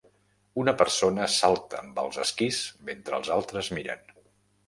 Una persona salta amb els esquís mentre els altres miren.